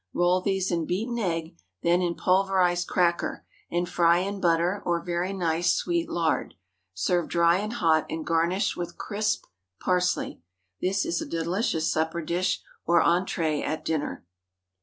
Roll these in beaten egg, then in pulverized cracker, and fry in butter or very nice sweet lard. Serve dry and hot, and garnish with crisped parsley. This is a delicious supper dish or entrée at dinner.